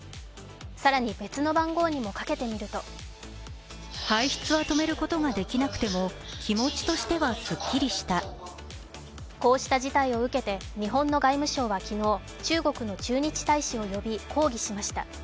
更に別の番号にもかけてみるとこうした事態を受けて、日本の外務省は昨日、中国の駐日大使を呼び、抗議しました。